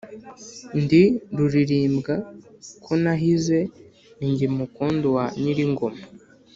Ndi Rulirimbwa ko nahize, ni jye mukondo wa Nyilingoma